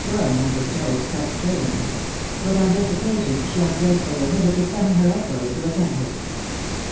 Goring had bestowed such pains: but on this occasion she un gratefully omitted to summon her equerry to attend her.